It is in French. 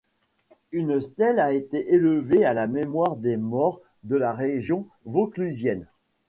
Une stèle a été élevée à la mémoire des morts de la région vauclusienne.